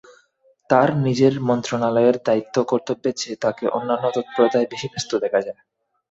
তাঁর নিজের মন্ত্রণালয়ের দায়িত্ব-কর্তব্যের চেয়ে তাঁকে অন্যান্য তৎপরতায় বেশি ব্যস্ত দেখা যায়।